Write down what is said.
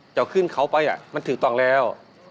เจ้าขึ้นเขาไปธืนต้องแล้ว